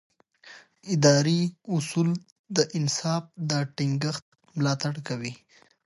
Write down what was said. اداري اصول د انصاف د ټینګښت ملاتړ کوي.